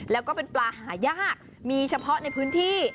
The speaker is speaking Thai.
แล้วก็เป็นปลาหายากมีเฉพาะในพื้นที่